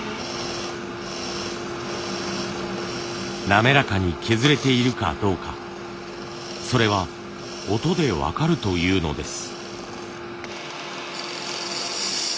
滑らかに削れているかどうかそれは音で分かるというのです。